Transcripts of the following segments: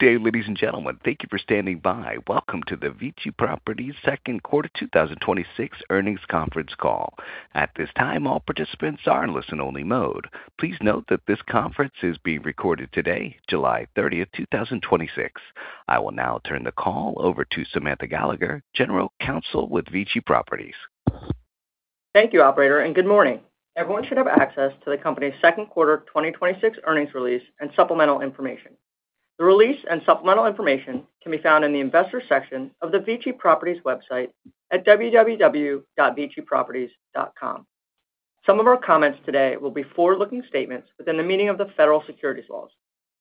Good day, ladies and gentlemen. Thank you for standing by. Welcome to the VICI Properties Second Quarter 2026 Earnings Conference Call. At this time, all participants are in listen-only mode. Please note that this conference is being recorded today, July 30, 2026. I will now turn the call over to Samantha Gallagher, General Counsel with VICI Properties. Thank you, operator, and good morning. Everyone should have access to the company's second quarter 2026 earnings release and supplemental information. The release and supplemental information can be found in the Investors section of the VICI Properties website at www.viciproperties.com. Some of our comments today will be forward-looking statements within the meaning of the Federal Securities Laws.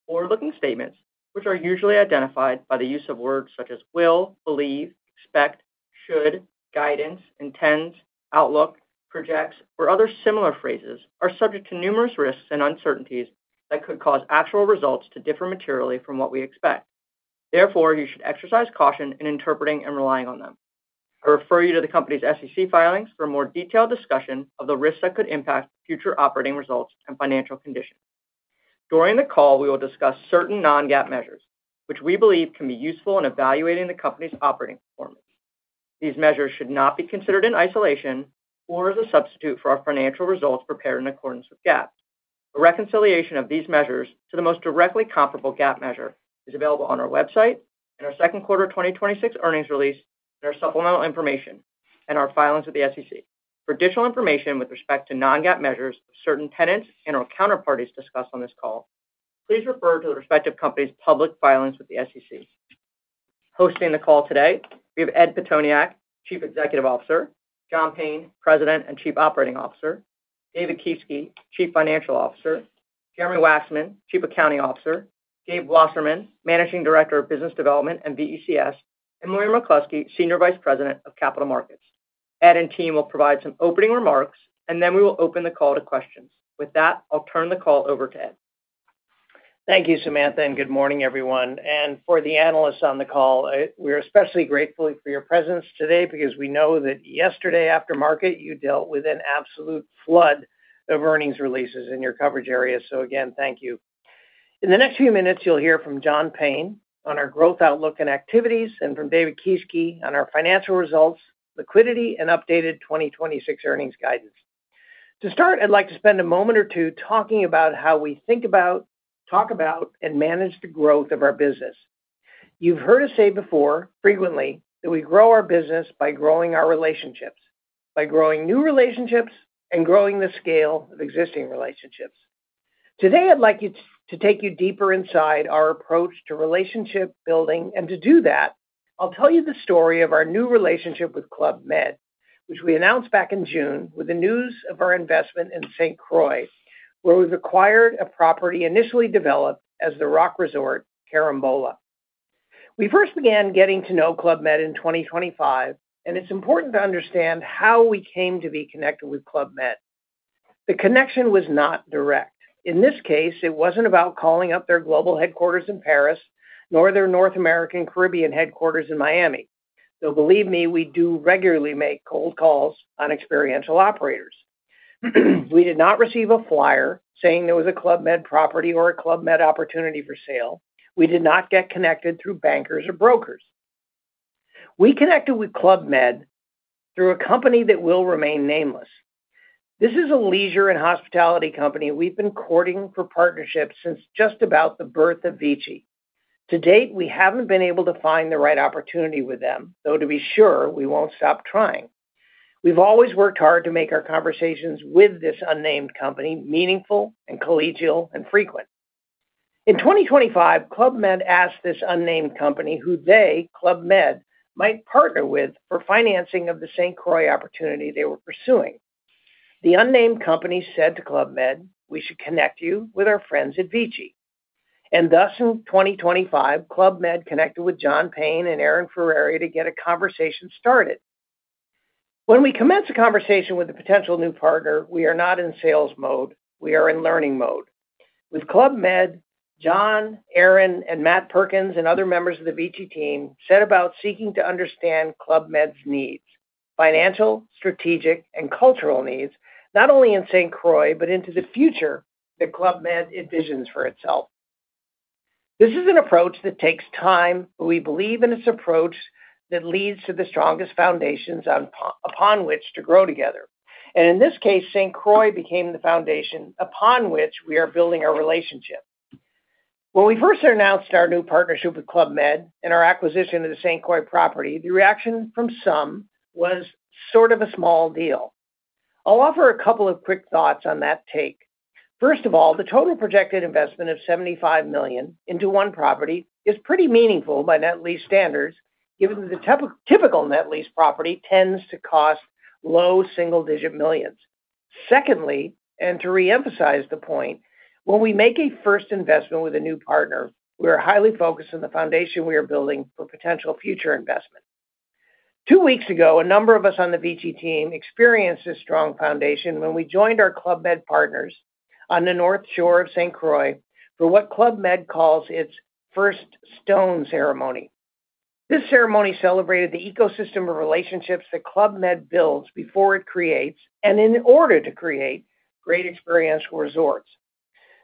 Forward-looking statements, which are usually identified by the use of words such as will, believe, expect, should, guidance, intends, outlook, projects, or other similar phrases, are subject to numerous risks and uncertainties that could cause actual results to differ materially from what we expect. Therefore, you should exercise caution in interpreting and relying on them. I refer you to the company's SEC filings for a more detailed discussion of the risks that could impact future operating results and financial conditions. During the call, we will discuss certain non-GAAP measures, which we believe can be useful in evaluating the company's operating performance. These measures should not be considered in isolation or as a substitute for our financial results prepared in accordance with GAAP. A reconciliation of these measures to the most directly comparable GAAP measure is available on our website, in our second quarter 2026 earnings release, in our supplemental information, and our filings with the SEC. For additional information with respect to non-GAAP measures of certain tenants and/or counterparties discussed on this call, please refer to the respective company's public filings with the SEC. Hosting the call today, we have Ed Pitoniak, Chief Executive Officer, John Payne, President and Chief Operating Officer, David Kieske, Chief Financial Officer, Jeremy Waxman, Chief Accounting Officer, Gabe Wasserman, Managing Director of Business Development and VECS, and Moira McCloskey, Senior Vice President of Capital Markets. Ed and team will provide some opening remarks, and then we will open the call to questions. With that, I'll turn the call over to Ed. Thank you, Samantha. Good morning, everyone. For the analysts on the call, we're especially grateful for your presence today because we know that yesterday aftermarket, you dealt with an absolute flood of earnings releases in your coverage area. Again, thank you. In the next few minutes, you'll hear from John Payne on our growth outlook and activities and from David Kieske on our financial results, liquidity, and updated 2026 earnings guidance. To start, I'd like to spend a moment or two talking about how we think about, talk about, and manage the growth of our business. You've heard us say before, frequently, that we grow our business by growing our relationships, by growing new relationships, and by growing the scale of existing relationships. Today, I'd like you to take you deeper inside our approach to relationship building. To do that, I'll tell you the story of our new relationship with Club Med, which we announced back in June with the news of our investment in St. Croix, where we've acquired a property initially developed as the Carambola Beach Resort. We first began getting to know Club Med in 2025. It's important to understand how we came to be connected with Club Med. The connection was not direct. In this case, it wasn't about calling up their global headquarters in Paris, nor their North American Caribbean headquarters in Miami. Though believe me, we do regularly make cold calls on experiential operators. We did not receive a flyer saying there was a Club Med property or a Club Med opportunity for sale. We did not get connected through bankers or brokers. We connected with Club Med through a company that will remain nameless. This is a leisure and hospitality company we've been courting for partnership since just about the birth of VICI. To date, we haven't been able to find the right opportunity with them, though to be sure, we won't stop trying. We've always worked hard to make our conversations with this unnamed company meaningful and collegial and frequent. In 2025, Club Med asked this unnamed company who they, Club Med, might partner with for financing of the St. Croix opportunity they were pursuing. The unnamed company said to Club Med, "We should connect you with our friends at VICI." In 2025, Club Med connected with John Payne and Erin Furey to get a conversation started. When we commence a conversation with a potential new partner, we are not in sales mode. We are in learning mode. With Club Med, John, Erin, and Matt Perkins, and other members of the VICI team set about seeking to understand Club Med's needs, financial, strategic, and cultural needs, not only in St. Croix, but into the future that Club Med envisions for itself. This is an approach that takes time, but we believe in its approach that leads to the strongest foundations upon which to grow together. In this case, St. Croix became the foundation upon which we are building our relationship. When we first announced our new partnership with Club Med and our acquisition of the St. Croix property, the reaction from some was sort of a small deal. I'll offer a couple of quick thoughts on that take. First of all, the total projected investment of $75 million into one property is pretty meaningful by net lease standards, given that the typical net lease property tends to cost low single-digit millions. Secondly, to reemphasize the point, when we make a first investment with a new partner, we are highly focused on the foundation we are building for potential future investment. Two weeks ago, a number of us on the VICI team experienced a strong foundation when we joined our Club Med partners on the North Shore of St. Croix for what Club Med calls its first stone ceremony. This ceremony celebrated the ecosystem of relationships that Club Med builds before it creates, in order to create great experiential resorts.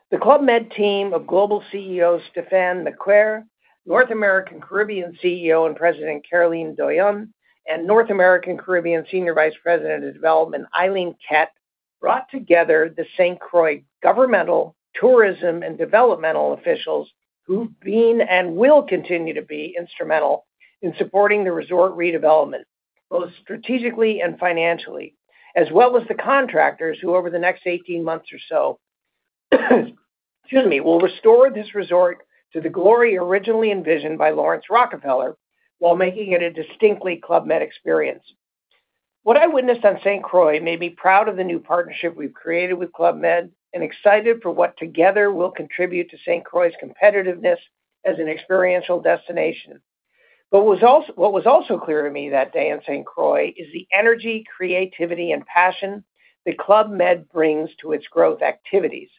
The Club Med team of global CEO Stéphane Maquaire, North American Caribbean CEO and President Carolyne Doyon, and North American Caribbean Senior Vice President of Development Eileen Kett, brought together the St. Croix governmental, tourism, and developmental officials who've been and will continue to be instrumental in supporting the resort redevelopment, both strategically and financially. As well as the contractors who, over the next 18 months or so, excuse me, will restore this resort to the glory originally envisioned by Laurance Rockefeller while making it a distinctly Club Med experience. What I witnessed on St. Croix made me proud of the new partnership we've created with Club Med and excited for what together will contribute to St. Croix's competitiveness as an experiential destination. What was also clear to me that day on St. Croix is the energy, creativity, and passion that Club Med brings to its growth activities.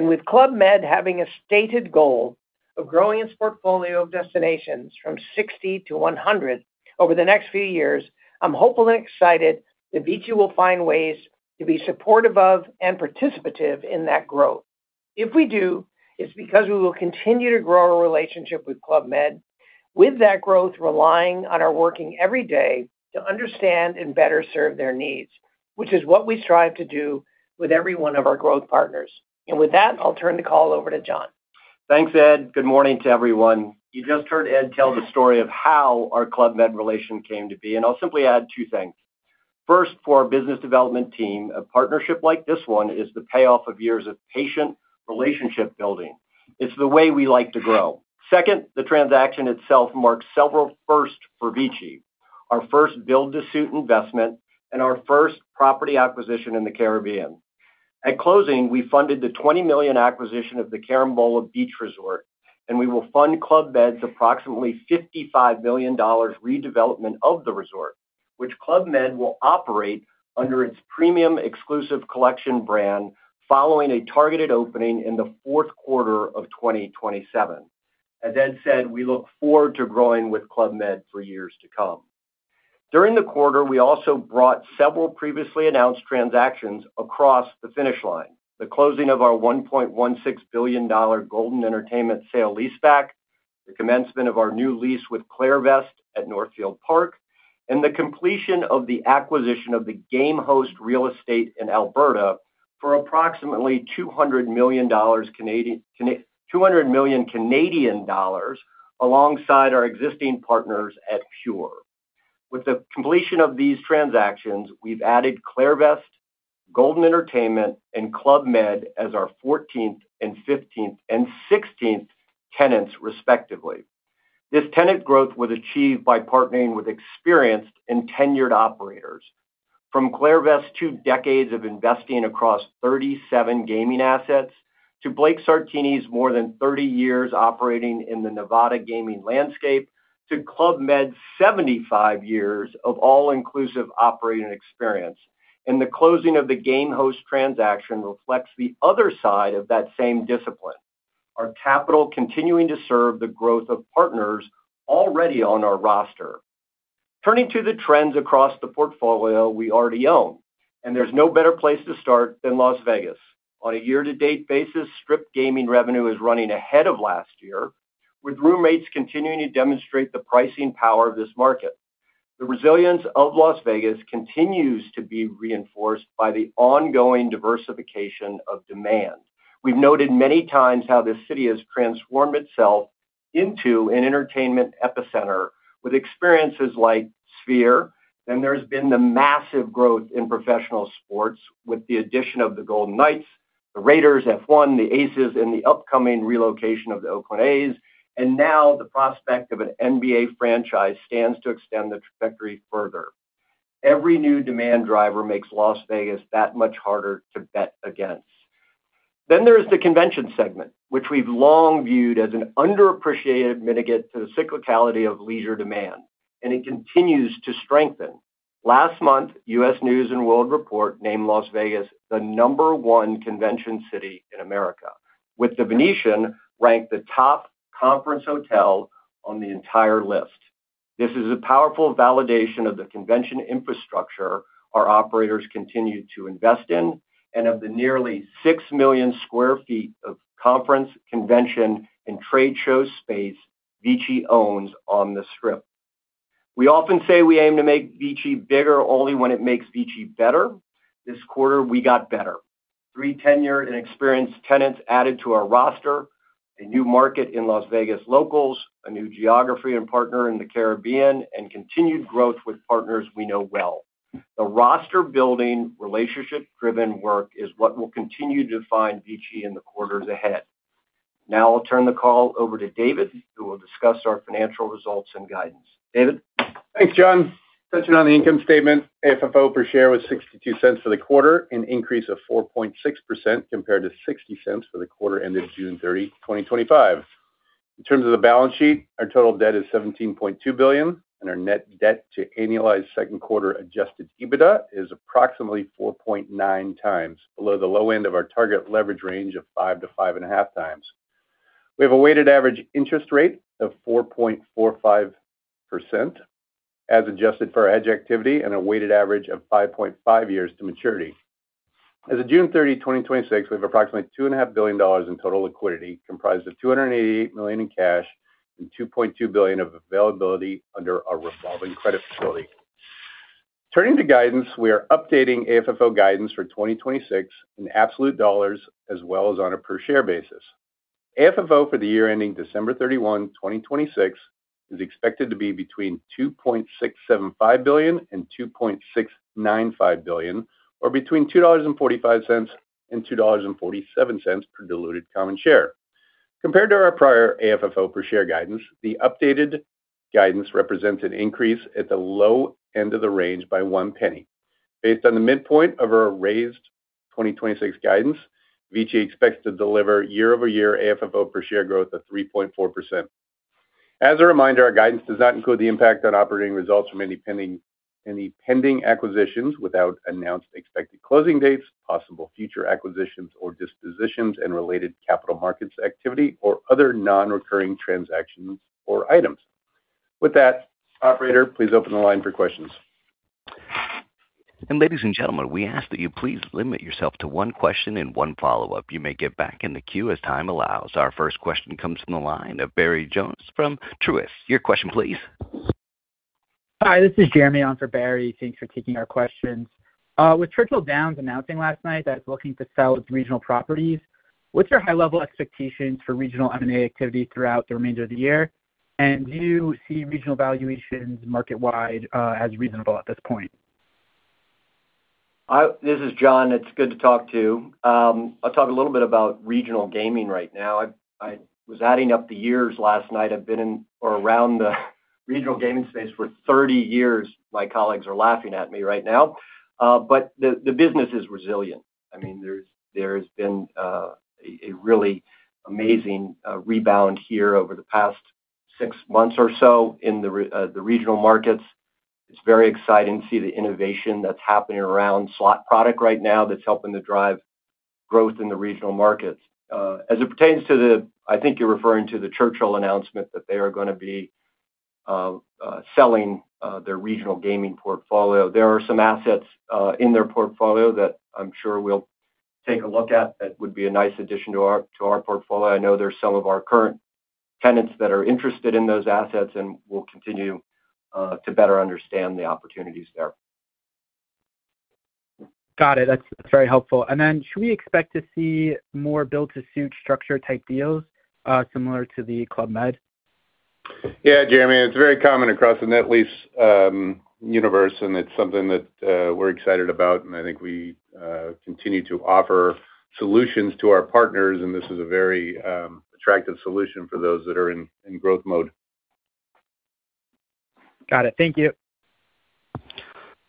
With Club Med having a stated goal of growing its portfolio of destinations from 60-100 over the next few years, I'm hopeful and excited that VICI will find ways to be supportive of and participative in that growth. If we do, it's because we will continue to grow our relationship with Club Med. With that growth, relying on our working every day to understand and better serve their needs, which is what we strive to do with every one of our growth partners. With that, I'll turn the call over to John. Thanks, Ed. Good morning to everyone. You just heard Ed tell the story of how our Club Med relation came to be; I'll simply add two things. First, for our business development team, a partnership like this one is the payoff of years of patient relationship building. It's the way we like to grow. Second, the transaction itself marks several firsts for VICI. Our first build-to-suit investment and our first property acquisition in the Caribbean. At closing, we funded the $20 million acquisition of the Carambola Beach Resort, we will fund Club Med's approximately $55 million redevelopment of the resort, which Club Med will operate under its premium Exclusive Collection brand following a targeted opening in the fourth quarter of 2027. As Ed said, we look forward to growing with Club Med for years to come. During the quarter, we also brought several previously announced transactions across the finish line. The closing of our $1.16 billion Golden Entertainment sale leaseback, the commencement of our new lease with Clairvest at Northfield Park, and the completion of the acquisition of the Gamehost Real Estate in Alberta for approximately 200 million Canadian dollars alongside our existing partners at PURE. With the completion of these transactions, we've added Clairvest, Golden Entertainment, and Club Med as our 14th and 15th and 16th tenants respectively. This tenant growth was achieved by partnering with experienced and tenured operators. From Clairvest's two decades of investing across 37 gaming assets to Blake Sartini's more than 30 years operating in the Nevada gaming landscape to Club Med's 75 years of all-inclusive operating experience. The closing of the Gamehost transaction reflects the other side of that same discipline. Our capital is continuing to serve the growth of partners already on our roster. Turning to the trends across the portfolio we already own, there's no better place to start than Las Vegas. On a year-to-date basis, Strip gaming revenue is running ahead of last year, with room rates continuing to demonstrate the pricing power of this market. The resilience of Las Vegas continues to be reinforced by the ongoing diversification of demand. We've noted many times how this city has transformed itself into an entertainment epicenter with experiences like Sphere. There's been the massive growth in professional sports with the addition of the Golden Knights, the Raiders, F1, the Aces, and the upcoming relocation of the Oakland A's. Now the prospect of an NBA franchise stands to extend the trajectory further. Every new demand driver makes Las Vegas that much harder to bet against. There is the convention segment, which we've long viewed as an underappreciated mitigant to the cyclicality of leisure demand, it continues to strengthen. Last month, U.S. News & World Report named Las Vegas the number one convention city in America, with The Venetian ranked the top conference hotel on the entire list. This is a powerful validation of the convention infrastructure our operators continue to invest in, of the nearly 6 million sq ft of conference, convention, and trade show space VICI owns on the Strip. We often say we aim to make VICI bigger only when it makes VICI better. This quarter, we got better. Three tenured and experienced tenants added to our roster, a new market in Las Vegas locals, a new geography and partner in the Caribbean, and continued growth with partners we know well. The roster-building, relationship-driven work is what will continue to define VICI in the quarters ahead. Now I'll turn the call over to David, who will discuss our financial results and guidance. David? Thanks, John. Touching on the income statement, AFFO per share was $0.62 for the quarter, an increase of 4.6% compared to $0.60 for the quarter ended June 30, 2025. In terms of the balance sheet, our total debt is $17.2 billion, and our net debt to annualized second- quarter adjusted EBITDA is approximately 4.9 times below the low end of our target leverage range of 5x to 5.5x. We have a weighted average interest rate of 4.45%, as adjusted for hedge activity, and a weighted average of 5.5 years to maturity. As of June 30, 2026, we have approximately $2.5 billion in total liquidity, comprised of $288 million in cash and $2.2 billion of availability under our revolving credit facility. Turning to guidance, we are updating AFFO guidance for 2026 in absolute dollars as well as on a per share basis. AFFO for the year ending December 31, 2026, is expected to be between $2.675 billion and $2.695 billion, or between $2.45 and $2.47 per diluted common share. Compared to our prior AFFO per share guidance, the updated guidance represents an increase at the low end of the range by $0.01. Based on the midpoint of our raised 2026 guidance, VICI expects to deliver year-over-year AFFO per share growth of 3.4%. As a reminder, our guidance does not include the impact on operating results from any pending acquisitions without announced expected closing dates, possible future acquisitions or dispositions, and related capital markets activity, or other non-recurring transactions or items. With that, operator, please open the line for questions. Ladies and gentlemen, we ask that you please limit yourself to one question and one follow-up. You may get back in the queue as time allows. Our first question comes from the line of Barry Jonas from Truist. Your question, please. Hi, this is Jeremy on for Barry. Thanks for taking our questions. With Churchill Downs announcing last night that it's looking to sell its regional properties, what are your high-level expectations for regional M&A activity throughout the remainder of the year? Do you see regional valuations market-wide as reasonable at this point? This is John. It is good to talk to you. I will talk a little about regional gaming right now. I was adding up the years last night. I have been in or around the regional gaming space for 30 years. My colleagues are laughing at me right now. The business is resilient. There has been a really amazing rebound here over the past six months or so in the regional markets. It is very exciting to see the innovation that is happening around the slot product right now that is helping to drive growth in the regional markets. As it pertains to the I think you are referring to the Churchill Downs announcement that they are going to be selling their regional gaming portfolio. There are some assets in their portfolio that I am sure we will take a look at that would be a nice addition to our portfolio. I know there are some of our current tenants that are interested in those assets. We will continue to better understand the opportunities there. Got it. That is very helpful. Should we expect to see more built-to-suit-structure-type deals similar to the Club Med? Yeah, Jeremy, it is very common across the net lease universe. It is something that we are excited about. I think we continue to offer solutions to our partners. This is a very attractive solution for those that are in growth mode. Got it. Thank you.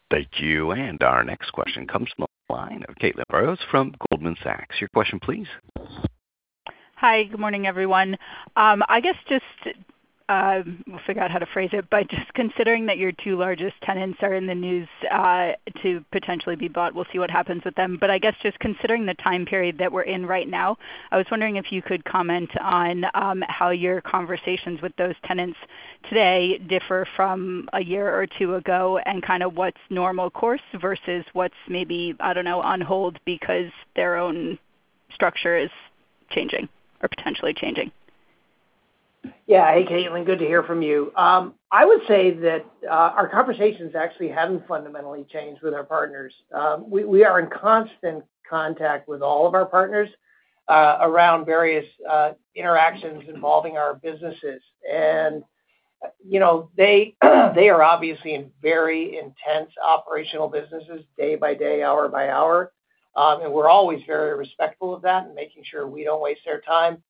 Thank you. Our next question comes from the line of Caitlin Burrows from Goldman Sachs. Your question, please. Hi. Good morning, everyone. We'll figure out how to phrase it; just considering that your two largest tenants are in the news to potentially be bought, we'll see what happens with them. I guess just considering the time period that we're in right now, I was wondering if you could comment on how your conversations with those tenants today differ from a year or two ago and kind of what's normal course versus what's maybe, I don't know, on hold because their own structure is changing or potentially changing. Yeah. Hey, Caitlin, good to hear from you. I would say that our conversations actually haven't fundamentally changed with our partners. We are in constant contact with all of our partners around various interactions involving our businesses. They are obviously in very intense operational businesses day by day, hour by hour. We're always very respectful of that and making sure we don't waste their time.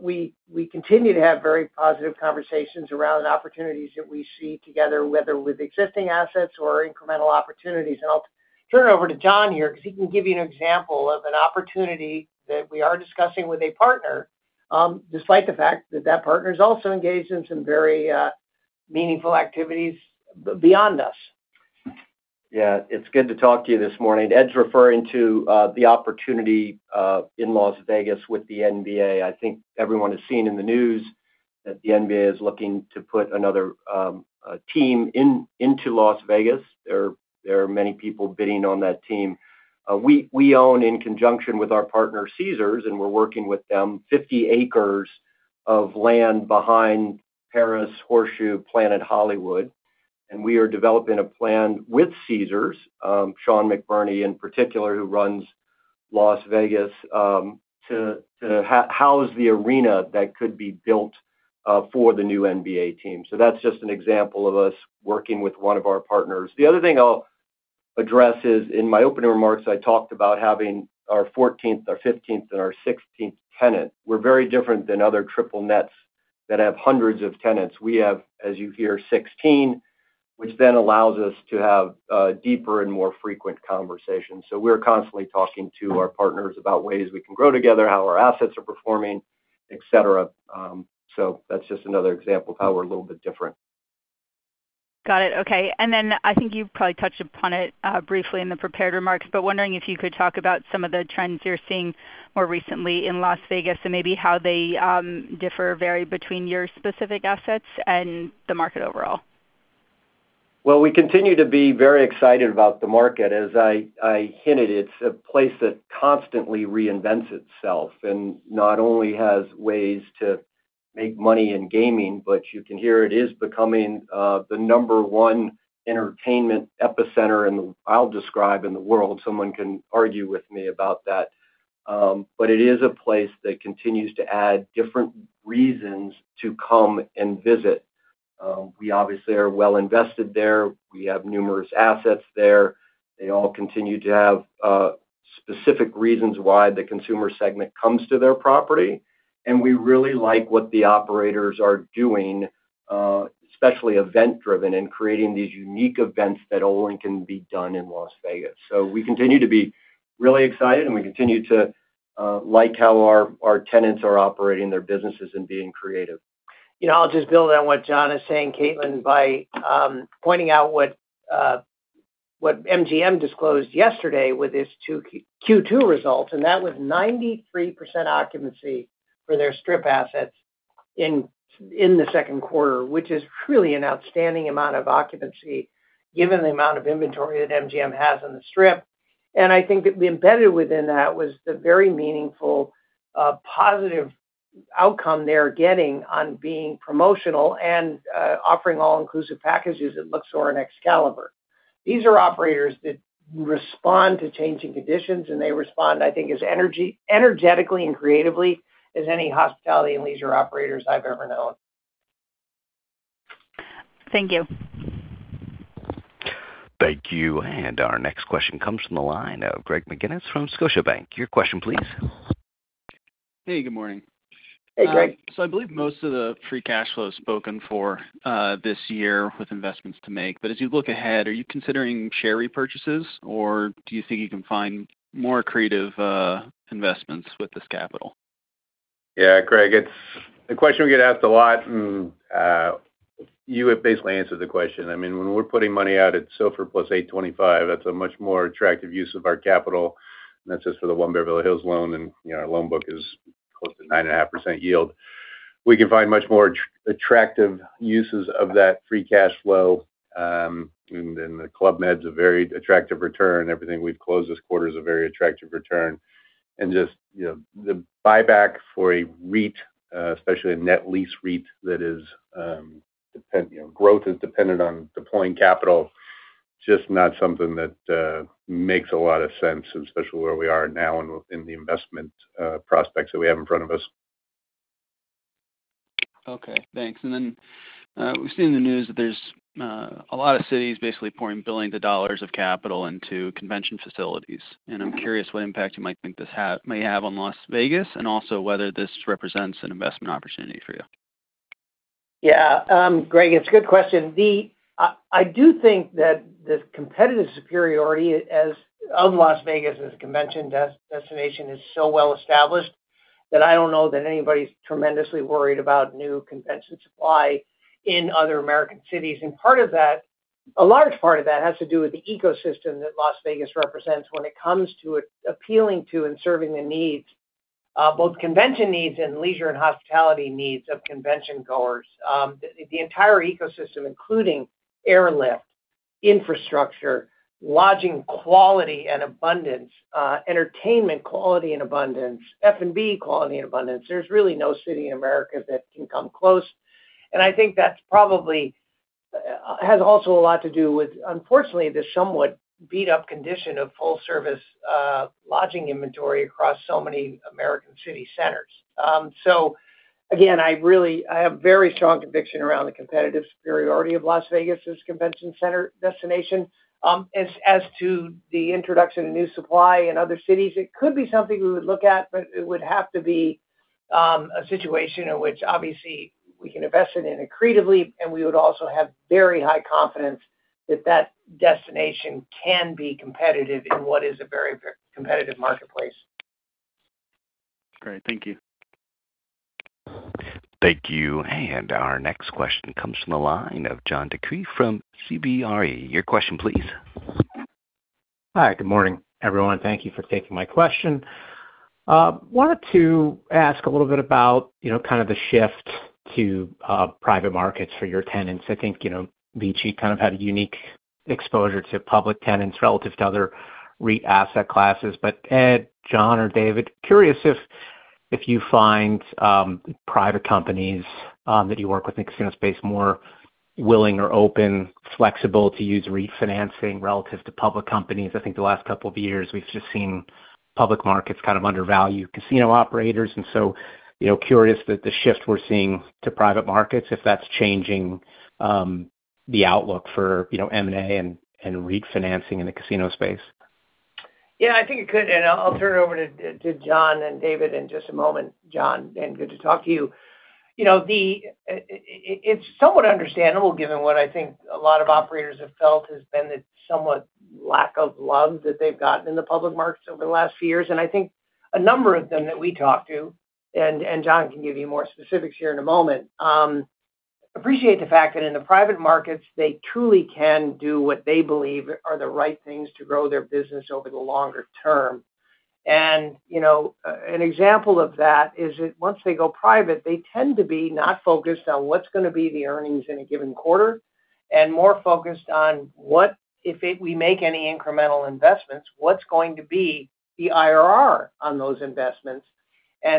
We continue to have very positive conversations around opportunities that we see together, whether with existing assets or incremental opportunities. I'll turn it over to John here because he can give you an example of an opportunity that we are discussing with a partner, despite the fact that that partner is also engaged in some very meaningful activities beyond us. Yeah. It's good to talk to you this morning. Ed's referring to the opportunity in Las Vegas with the NBA. I think everyone has seen in the news that the NBA is looking to put another team in Las Vegas. There are many people bidding on that team. We own, in conjunction with our partner Caesars, and we're working with them, 50 acres of land behind Paris Horseshoe Planet Hollywood, and we are developing a plan with Caesars, Sean McBurney in particular, who runs Las Vegas, to house the arena that could be built for the new NBA team. That's just an example of us working with one of our partners. The other thing I'll address is in my opening remarks, I talked about having our 14th, our 15th, and our 16th tenant. We're very different than other triple nets that have hundreds of tenants. We have, as you hear, 16, which then allows us to have deeper and more frequent conversations. We're constantly talking to our partners about ways we can grow together, how our assets are performing, et cetera. That's just another example of how we're a little bit different. Got it. Okay. I think you probably touched upon it briefly in the prepared remarks, but wondering if you could talk about some of the trends you're seeing more recently in Las Vegas and maybe how they differ and vary between your specific assets and the market overall. We continue to be very excited about the market. As I hinted, it's a place that constantly reinvents itself and not only has ways to make money in gaming, but you can hear it is becoming the number one entertainment epicenter, and I'll describe in the world someone can argue with me about that. It is a place that continues to add different reasons to come and visit. We obviously are well invested there. We have numerous assets there. They all continue to have specific reasons why the consumer segment comes to their property, and we really like what the operators are doing, especially event-driven, in creating these unique events that only can be done in Las Vegas. We continue to be really excited, and we continue to like how our tenants are operating their businesses and being creative. I'll just build on what John is saying, Caitlin, by pointing out what MGM disclosed yesterday with its Q2 results, that was 93% occupancy for their Strip assets in the second quarter, which is truly an outstanding amount of occupancy given the amount of inventory that MGM has on the Strip. I think that embedded within that was the very meaningful, positive outcome they're getting from being promotional and offering all-inclusive packages at Luxor and Excalibur. These are operators that respond to changing conditions, and they respond, I think, as energetically and creatively as any hospitality and leisure operators I've ever known. Thank you. Thank you. Our next question comes from the line of Greg McGinniss from Scotiabank. Your question, please. Hey, good morning. Hey, Greg. I believe most of the free cash flow is spoken for this year with investments to make. As you look ahead, are you considering share repurchases, or do you think you can find more creative investments with this capital? Yeah, Greg, it's a question we get asked a lot, and you have basically answered the question. When we're putting money out at SOFR plus 825, that's a much more attractive use of our capital. That's just for the One Beverly Hills loan; our loan book is close to 9.5% yield. We can find much more attractive uses of that free cash flow. Then Club Med's a very attractive return. Everything we've closed this quarter is a very attractive return. Just the buyback for a REIT, especially a net lease REIT, is growth that is dependent on deploying capital, just not something that makes a lot of sense, especially where we are now in the investment prospects that we have in front of us. Okay, thanks. We've seen in the news that there are a lot of cities basically pouring billions of dollars of capital into convention facilities. I'm curious what impact you might think this may have on Las Vegas and also whether this represents an investment opportunity for you. Greg, it's a good question. I do think that the competitive superiority of Las Vegas as a convention destination is so well established that I don't know that anybody's tremendously worried about new convention supply in other American cities. A large part of that has to do with the ecosystem that Las Vegas represents when it comes to appealing to and serving the needs, both convention needs and leisure and hospitality needs of convention-goers. The entire ecosystem, including airlift, infrastructure, lodging quality and abundance, entertainment quality and abundance, and F&B quality and abundance. There's really no city in America that can come close. I think that probably has also a lot to do with, unfortunately, the somewhat beat-up condition of full-service lodging inventory across so many American city centers. Again, I have a very strong conviction around the competitive superiority of Las Vegas as a convention center destination. As to the introduction of new supply in other cities, it could be something we would look at, but it would have to be a situation in which, obviously, we can invest in it accretively, and we would also have very high confidence that that destination can be competitive in what is a very competitive marketplace. Great. Thank you. Thank you. Our next question comes from the line of John DeCree from CBRE. Your question, please. Hi. Good morning, everyone. Thank you for taking my question. Wanted to ask a little bit about the kind of shift to private markets for your tenants. I think VICI kind of had a unique exposure to public tenants relative to other REIT asset classes. Ed, John, or David, curious if you find private companies that you work with in the casino space more willing or open to using refinancing relative to public companies. I think the last couple of years, we've just seen public markets kind of undervalue casino operators, curious that the shift we're seeing to private markets is changing the outlook for M&A and refinancing in the casino space. Yeah, I think it could. I'll turn it over to John and David in just a moment. John, good to talk to you. It's somewhat understandable given what I think a lot of operators have felt: the somewhat lack of love that they've gotten in the public markets over the last few years. A number of them that we talk to, John can give you more specifics here in a moment, appreciate the fact that in the private markets, they truly can do what they believe are the right things to grow their business over the longer term. An example of that is that once they go private, they tend to be not focused on what's going to be the earnings in a given quarter but more focused on if we make any incremental investments, what's going to be the IRR on those investments.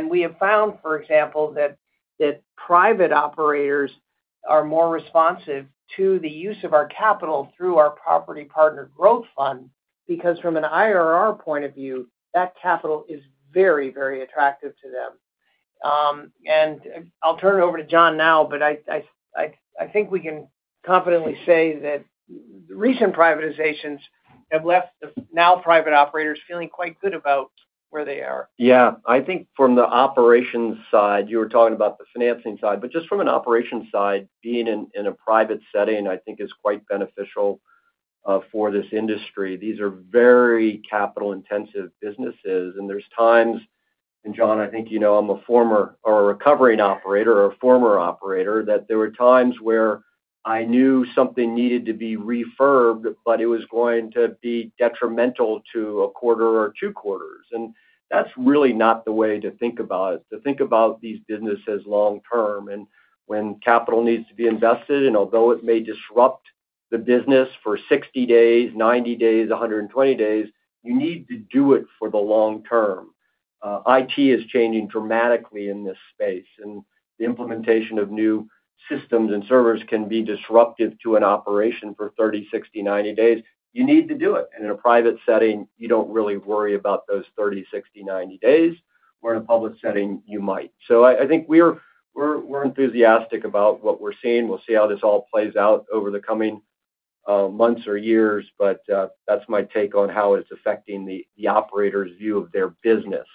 We have found, for example, that private operators are more responsive to the use of our capital through our Property Partner Growth Fund, because from an IRR point of view, that capital is very, very attractive to them. I'll turn it over to John now, I think we can confidently say that recent privatizations have left the now private operators feeling quite good about where they are. Yeah. I think from the operations side, you were talking about the financing side, just from an operations side, being in a private setting, I think, is quite beneficial for this industry. These are very capital-intensive businesses, there's times, John, I think you know I'm a former or a recovering operator or a former operator, that there were times where I knew something needed to be refurbed, but it was going to be detrimental to a quarter or two quarters. That's really not the way to think about it. To think about these businesseslong-termm when capital needs to be invested, although it may disrupt the business for 60 days, 90 days, or 120 days, you need to do it for the long term. IT is changing dramatically in this space. The implementation of new systems and servers can be disruptive to an operation for 30, 60, or 90 days. You need to do it. In a private setting, you don't really worry about those 30, 60, 90 days, where in a public setting you might. I think we're enthusiastic about what we're seeing. We'll see how this all plays out over the coming months or years, but that's my take on how it's affecting the operator's view of their business.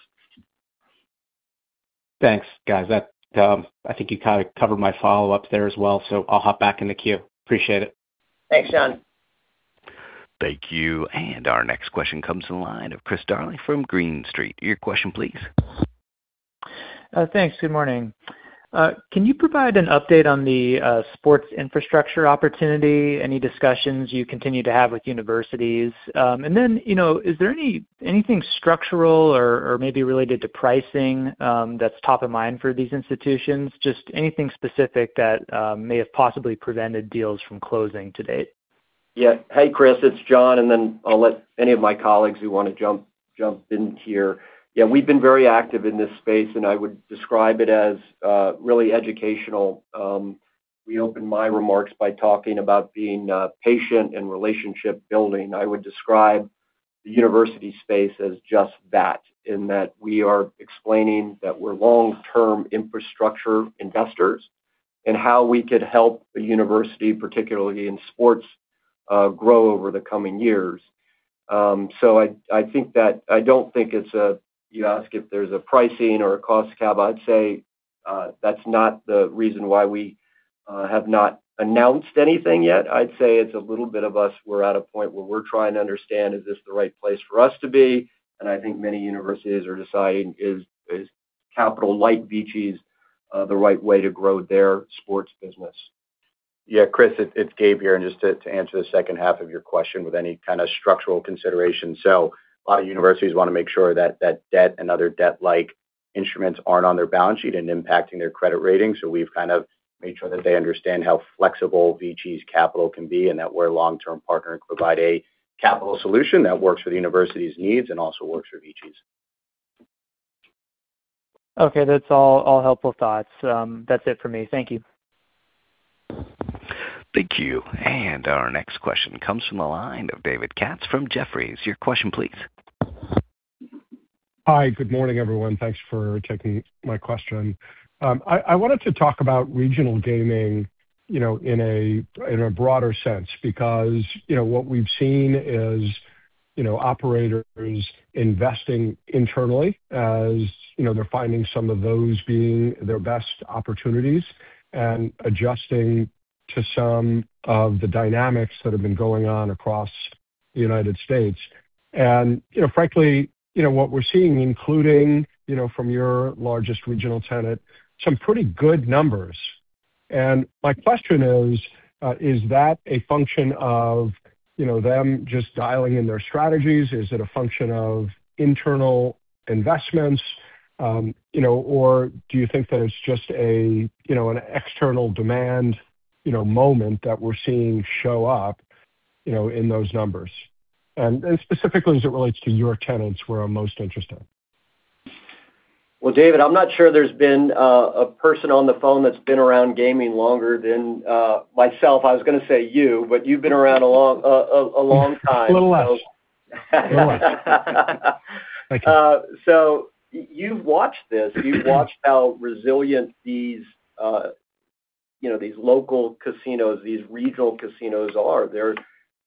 Thanks, guys. I think you kind of covered my follow-up there as well. I'll hop back in the queue. Appreciate it. Thanks, John. Thank you. Our next question comes from the line of Chris Darling from Green Street. Your question, please. Thanks. Good morning. Can you provide an update on the sports infrastructure opportunity? Any discussions you continue to have with universities? Is there anything structural or maybe related to pricing that's top of mind for these institutions? Anything specific that may have possibly prevented deals from closing to date. Hey, Chris, it's John. I'll let any of my colleagues who want to jump in here. We've been very active in this space, and I would describe it as really educational. We opened my remarks by talking about being patient and relationship building. I would describe the university space as just that, in that we are explaining that we're long-term infrastructure investors and how we could help a university, particularly in sports, grow over the coming years. I don't think it's, you ask, if there's a pricing or a cost cap; I'd say that's not the reason why we have not announced anything yet. I'd say it's a little bit of us; we're at a point where we're trying to understand, is this the right place for us to be? I think many universities are deciding if capital, like VICI's, is the right way to grow their sports business. Chris, it's Gabe here, just to answer the second half of your question with any kind of structural consideration. A lot of universities want to make sure that that debt and other debt-like instruments aren't on their balance sheet and impacting their credit rating. We've kind of made sure that they understand how flexible VICI's capital can be and that we're a long-term partner and provide a capital solution that works for the university's needs and also works for VICI's. Okay. Those are all helpful thoughts. That's it for me. Thank you. Thank you. Our next question comes from the line of David Katz from Jefferies. Your question, please. Hi. Good morning, everyone. Thanks for taking my question. I wanted to talk about regional gaming in a broader sense because what we've seen is operators investing internally as they're finding some of those being their best opportunities and adjusting to some of the dynamics that have been going on across the United States. Frankly, what we're seeing, including from your largest regional tenant, some pretty good numbers. My question is, is it a function of them just dialing in their strategies? Is it a function of internal investments? Do you think that it's just an external demand moment that we're seeing show up in those numbers? Specifically as it relates to your tenants, we're most interested. Well, David, I'm not sure there's been a person on the phone that's been around gaming longer than myself. I was going to say you, but you've been around a long time. A little less. Thank you. You've watched this. You've watched how resilient these local casinos, these regional casinos, are.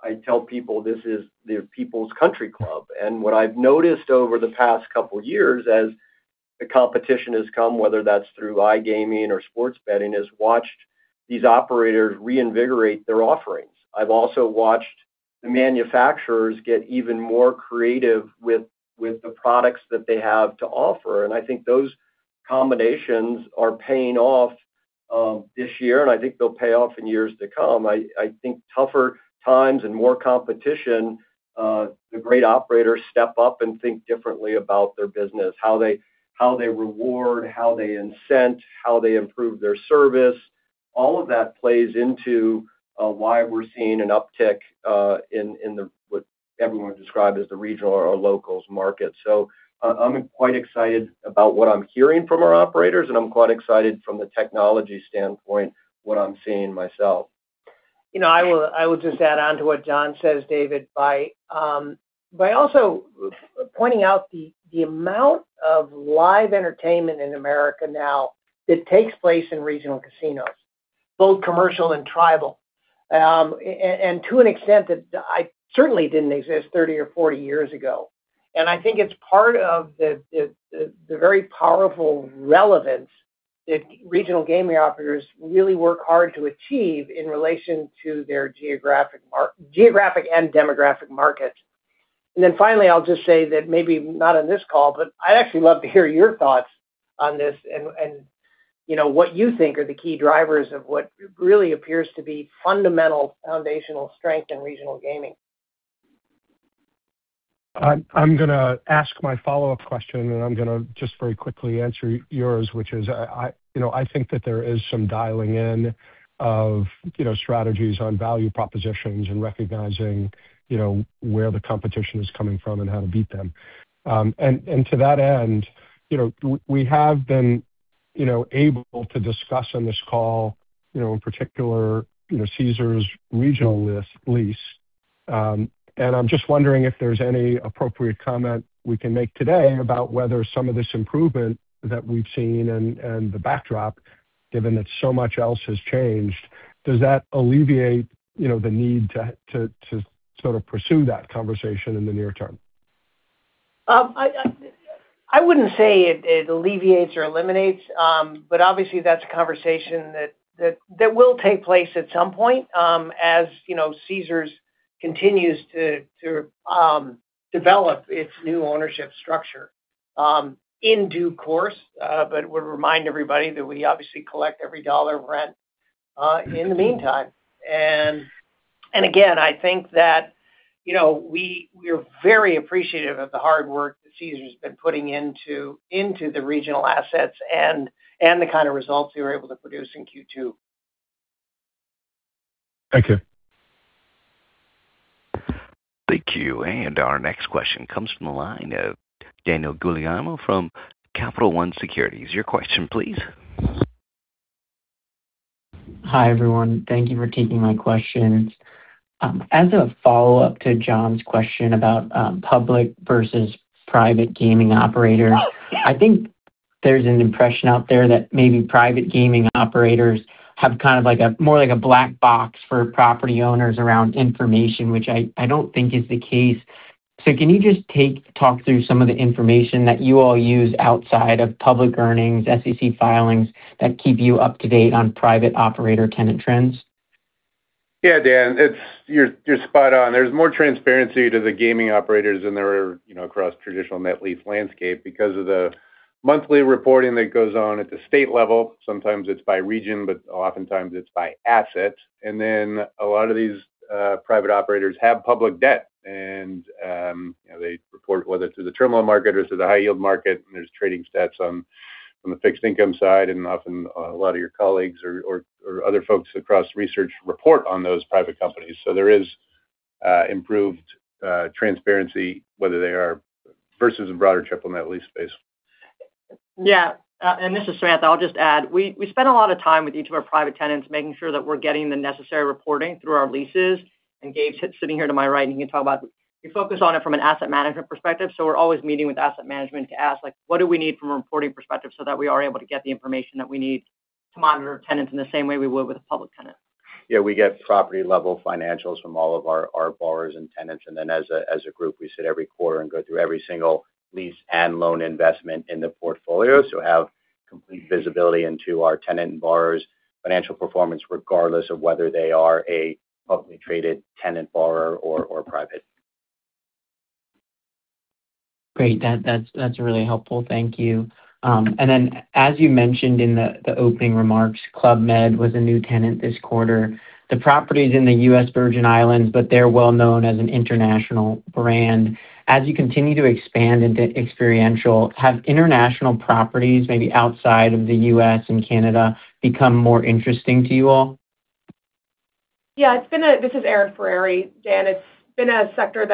I tell people this is the people's country club. What I've noticed over the past couple years. The competition has come, whether that's through iGaming or sports betting, and has watched these operators reinvigorate their offerings. I've also watched the manufacturers get even more creative with the products that they have to offer. I think those combinations are paying off this year, and I think they'll pay off in years to come. I think tougher times and more competition, the great operators step up and think differently about their business, how they reward, how they incent, and how they improve their service. All of that plays into why we're seeing an uptick in what everyone described as the regional or local market. I'm quite excited about what I'm hearing from our operators, and I'm quite excited from the technology standpoint, what I'm seeing myself. I will just add on to what John says, David, by also pointing out the amount of live entertainment in America now that takes place in regional casinos, both commercial and tribal. To an extent that certainly didn't exist 30 or 40 years ago. I think it's part of the very powerful relevance that regional gaming operators really work hard to achieve in relation to their geographic and demographic market. Then finally, I'll just say that maybe not on this call, but I'd actually love to hear your thoughts on this and what you think are the key drivers of what really appears to be fundamental, foundational strength in regional gaming. I'm going to ask my follow-up question. I'm going to just very quickly answer yours, which is I think that there is some dialing in of strategies on value propositions and recognizing where the competition is coming from and how to beat them. To that end, we have been able to discuss on this call, in particular, Caesar's regional lease. I'm just wondering if there's any appropriate comment we can make today about whether some of this improvement that we've seen and the backdrop, given that so much else has changed, does that alleviate the need to sort of pursue that conversation in the near term? I wouldn't say it alleviates or eliminates. Obviously, that's a conversation that will take place at some point as Caesars continues to develop its new ownership structure in due course. Would remind everybody that we obviously collect every dollar rent in the meantime. Again, I think that we are very appreciative of the hard work that Caesars has been putting into the regional assets and the kind of results we were able to produce in Q2. Thank you. Thank you. Our next question comes from the line of Daniel Guglielmo from Capital One Securities. Your question, please. Hi, everyone. Thank you for taking my questions. As a follow-up to John's question about public versus private gaming operators, I think there's an impression out there that maybe private gaming operators have kind of more like a black box for property owners around information, which I don't think is the case. Can you just talk through some of the information that you all use outside of public earnings and SEC filings that keep you up-to-date on private operator-tenant trends? Yeah, Dan, you're spot on. There's more transparency to the gaming operators than there are across the traditional net-lease landscape because of the monthly reporting that goes on at the state level. Sometimes it's by region, but oftentimes it's by asset. A lot of these private operators have public debt, and they report whether it's through the terminal market or through the high-yield market, there's trading stats on the fixed-income side, and often a lot of your colleagues or other folks across the research report on those private companies. There is improved transparency, whether they are versus a broader triple net lease space. Yeah. This is Samantha. I'll just add. We spend a lot of time with each of our private tenants making sure that we're getting the necessary reporting through our leases. Gabe sitting here to my right, and he can talk about, we focus on it from an asset management perspective, so we're always meeting with asset management to ask, what do we need from a reporting perspective so that we are able to get the information that we need to monitor tenants in the same way we would with a public tenant. Yeah, we get property-level financials from all of our borrowers and tenants, as a group, we sit every quarter and go through every single lease and loan investment in the portfolio. Have complete visibility into our tenant's and borrower's financial performance, regardless of whether they are a publicly traded tenant borrower or private. Great. That's really helpful. Thank you. As you mentioned in the opening remarks, Club Med was a new tenant this quarter. The property is in the U.S. Virgin Islands, but they're well-known as an international brand. As you continue to expand into experiential, have international properties, maybe outside of the U.S. and Canada, become more interesting to you all? Yeah. This is Erin Furey. Dan, it's been a sector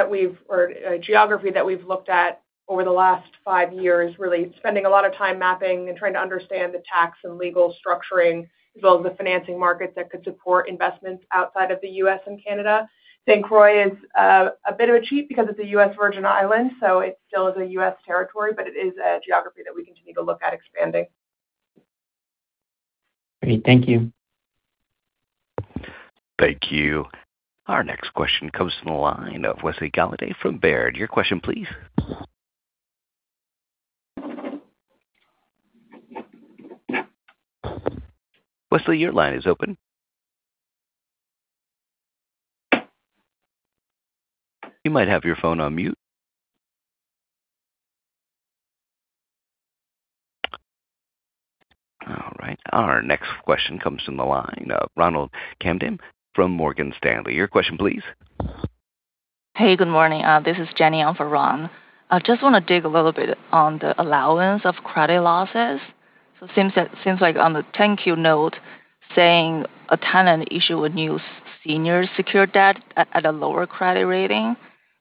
or a geography that we've looked at over the last five years, really spending a lot of time mapping and trying to understand the tax and legal structuring, as well as the financing markets that could support investments outside of the U.S. and Canada. St. Croix is a bit of a cheat because it's a U.S. Virgin Island, so it still is a U.S. territory, but it is a geography that we continue to look at expanding. Great. Thank you. Thank you. Our next question comes from the line of Wes Golladay from Baird. Your question, please. Wesley, your line is open. You might have your phone on mute. Our next question comes from the line of Ronald Kamdem from Morgan Stanley. Your question, please. Hey, good morning. This is Jenny on for Ron. I just want to dig a little bit on the allowance of credit losses. Since on the 10-Q note, saying a tenant issued a new senior secured debt at a lower credit rating.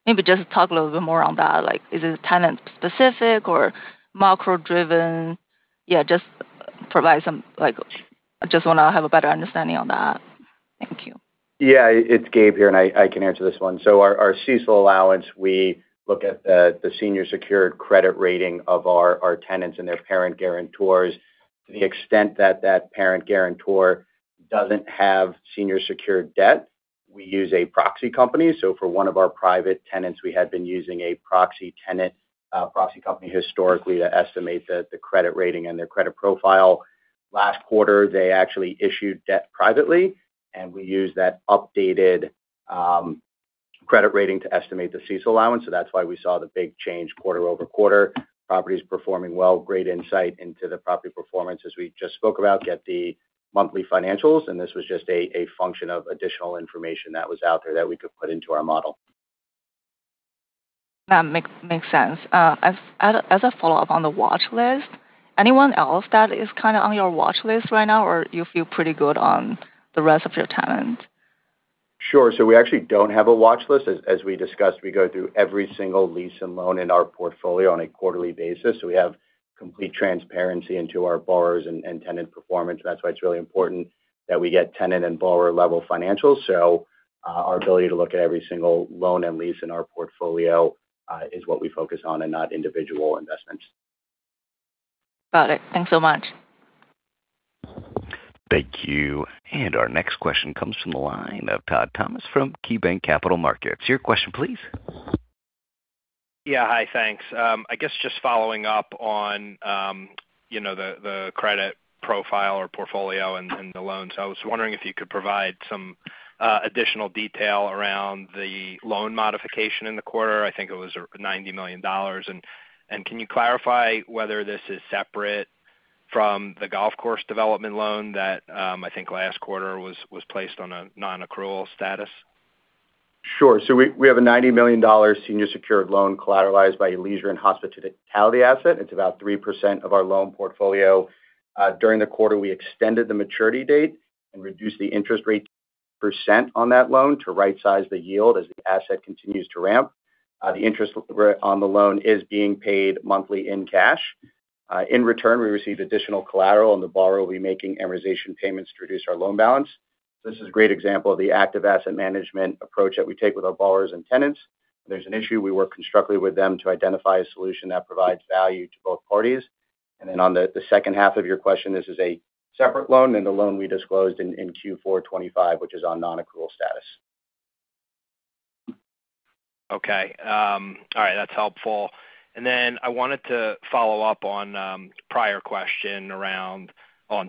Maybe just talk a little bit more on that. Is it tenant-specific or macro-driven? I just want to have a better understanding of that. Thank you. It's Gabe here, and I can answer this one. Our CECL allowance: we look at the senior secured credit rating of our tenants and their parent guarantors. To the extent that the parent guarantor doesn't have senior secured debt, we use a proxy company. For one of our private tenants, we had been using a proxy company historically to estimate the credit rating and their credit profile. Last quarter, they actually issued debt privately, and we used that updated credit rating to estimate the CECL allowance. That's why we saw the big change quarter-over-quarter. The property's performing well. Great insight into the property performance as we just spoke about. Get the monthly financials, and this was just a function of additional information that was out there that we could put into our model. That makes sense. As a follow-up on the watchlist, is anyone else that is kind of on your watchlist right now, or do you feel pretty good on the rest of your tenants? Sure. We actually don't have a watch list. As we discussed, we go through every single lease and loan in our portfolio on a quarterly basis. We have complete transparency into our borrowers' and tenants' performance. That's why it's really important that we get tenant and borrower-level financials. Our ability to look at every single loan and lease in our portfolio is what we focus on and not individual investments. Got it. Thanks so much. Thank you. Our next question comes from the line of Todd Thomas from KeyBanc Capital Markets. Your question please. Hi, thanks. I guess just following up on the credit profile or portfolio and the loans. I was wondering if you could provide some additional detail around the loan modification in the quarter. I think it was $90 million. Can you clarify whether this is separate from the golf course development loan that I think last quarter was placed on a non-accrual status? Sure. We have a $90 million senior secured loan collateralized by a leisure and hospitality asset. It's about 3% of our loan portfolio. During the quarter, we extended the maturity date and reduced the interest rate to 2% on that loan to right-size the yield as the asset continues to ramp. The interest on the loan is being paid monthly in cash. In return, we received additional collateral, and the borrower will be making amortization payments to reduce our loan balance. This is a great example of the active asset management approach that we take with our borrowers and tenants. On the second half of your question, this is a separate loan than the loan we disclosed in Q4 2025, which is on non-accrual status. Okay. All right. That's helpful. I wanted to follow up on a prior question around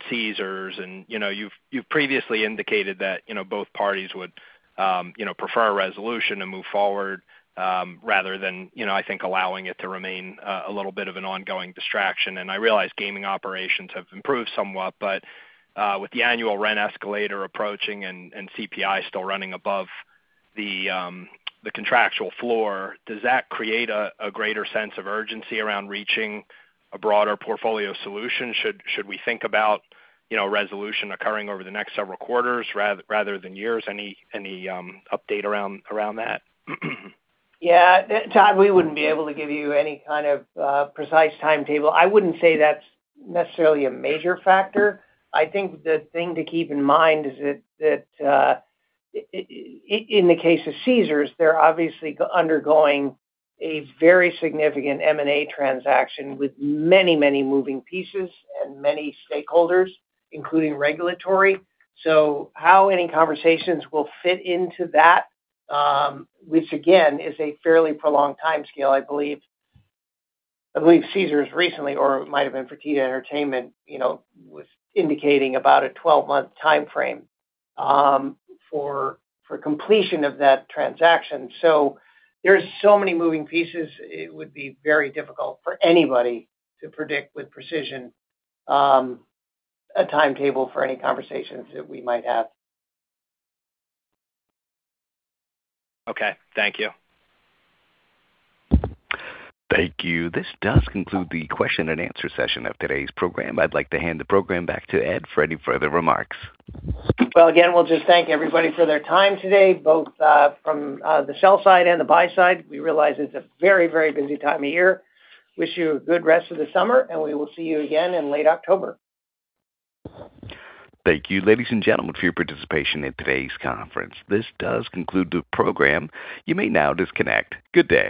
Caesar's. You've previously indicated that both parties would prefer a resolution to move forward rather than allowing it to remain a little bit of an ongoing distraction. I realize gaming operations have improved somewhat, but with the annual rent escalator approaching and CPI still running above the contractual floor, does that create a greater sense of urgency around reaching a broader portfolio solution? Should we think about resolution occurring over the next several quarters rather than years? Any update around that? Yeah. Todd, we wouldn't be able to give you any kind of precise timetable. I wouldn't say that's necessarily a major factor. I think the thing to keep in mind is that in the case of Caesars, they're obviously undergoing a very significant M&A transaction with many moving pieces and many stakeholders, including regulatory. How any conversations will fit into that, which again, is a fairly prolonged timescale. I believe Caesars recently, or it might've been Fertitta Entertainment, was indicating a 12-month timeframe for completion of that transaction. There are so many moving pieces. It would be very difficult for anybody to predict with precision a timetable for any conversations that we might have. Okay. Thank you. Thank you. This does conclude the question and answer session of today's program. I'd like to hand the program back to Ed for any further remarks. Well, again, we'll just thank everybody for their time today, both from the sell side and the buy side. We realize it's a very busy time of year. Wish you a good rest of the summer, and we will see you again in late October. Thank you, ladies and gentlemen for your participation in today's conference. This does conclude the program. You may now disconnect. Good day.